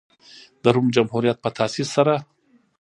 د روم جمهوریت په تاسیس سره.